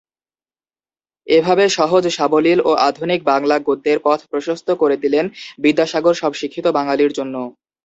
এভাবে সহজ সাবলীল ও আধুনিক বাংলা গদ্যের পথ প্রশস্ত করে দিলেন বিদ্যাসাগর সব শিক্ষিত বাঙালির জন্য।